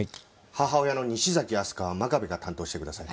母親の西崎明日香は真壁が担当してください。